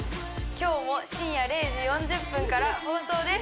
今日も深夜０時４０分から放送です